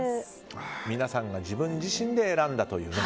皆さんが自分自身で選んだという。